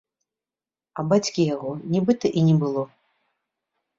А бацькі ў яго нібыта і не было.